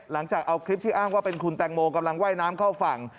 หลังจากเอาคลิปที่อ้างว่าเป็นคุณแตงโมกำลังว่ายน้ำเข้าฝั่ง